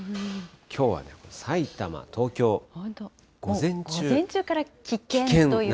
きょうはね、さいたま、東京、午前中から危険という。